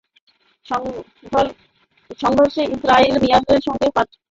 সংঘর্ষে ইসরাহিল মিয়ার পক্ষের পাঁচজন এবং সাহেদ আলীর পক্ষের জয়নাল আহত হন।